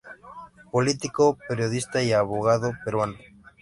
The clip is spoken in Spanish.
Político, periodista y abogado peruano.